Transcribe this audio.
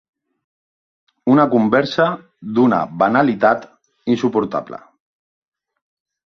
Una conversa d'una banalitat insuportable.